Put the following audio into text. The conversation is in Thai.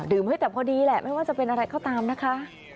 ดื่มให้เต็มพอดีแหละไม่ว่าจะเป็นอะไรข้อตามนะคะ